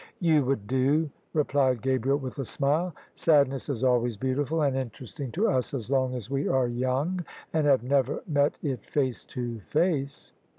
" You would do," replied Gabriel with a smile. " Sad ness Is always beautiful and Interesting to us as long as we are young and have never met it face to face."